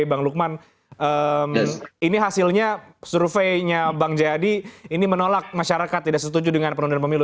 bang lukman ini hasilnya surveinya bang jayadi ini menolak masyarakat tidak setuju dengan penundaan pemilu